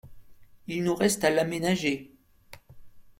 Il nous reste à l’aménager ».